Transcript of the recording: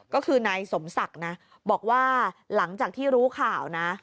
ก็คือนายสมศักดิ์นะบอกว่าหลังจากที่รู้ข่าวนะ